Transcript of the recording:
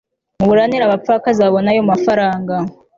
muburanire abapfakazibabone ayo mafaranga